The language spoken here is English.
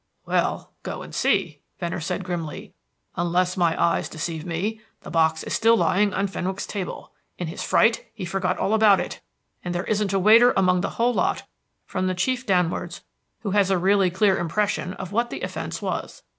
"Well, go and see," Venner said grimly. "Unless my eyes deceive me, the box is still lying on Fenwick's table. In his fright, he forgot all about it, and there isn't a waiter among the whole lot, from the chief downwards, who has a really clear impression of what the offence was.